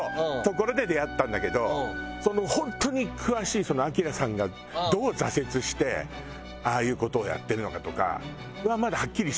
所で出会ったんだけど本当に詳しいその晶さんがどう挫折してああいう事をやってるのかとかはまだはっきりしてないわよね。